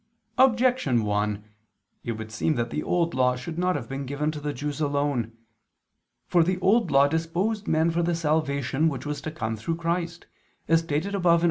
Objection 1: It would seem that the Old Law should not have been given to the Jews alone. For the Old Law disposed men for the salvation which was to come through Christ, as stated above (AA.